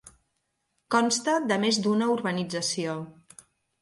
Consta de més d'una urbanització.